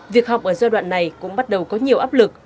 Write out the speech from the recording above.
việc học ở giai đoạn này cũng bắt đầu có nhiều áp lực